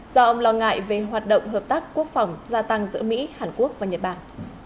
do ông lo ngại về hoạt động hợp tác quốc phòng gia tăng giữa mỹ hàn quốc và nhật bản